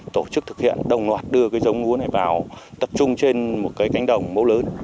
tổ chức thực hiện đồng loạt đưa cái giống lúa này vào tập trung trên một cái cánh đồng mẫu lớn